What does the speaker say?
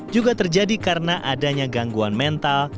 juga terjadi karena adanya gangguan mental